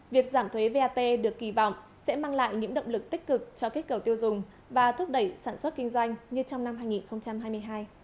việc giảm thuế vat được kỳ vọng sẽ mang lại những động lực tích cực cho kích cầu tiêu dùng và thúc đẩy sản xuất kinh doanh như trong năm hai nghìn hai mươi hai